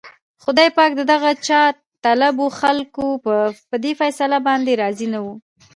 خدای پاک د دغو جاهطلبو خلکو په دې فيصله باندې راضي نه و.